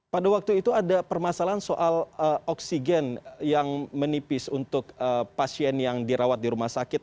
pada waktu itu ada permasalahan soal oksigen yang menipis untuk pasien yang dirawat di rumah sakit